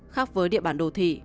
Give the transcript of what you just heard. khác với địa bàn đô thị